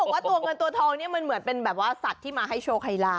เขาบอกว่าตัวเงินตัวท้องมันเหมือนแบบว่าสัตว์ที่มาให้ต่อโชคไฮล่า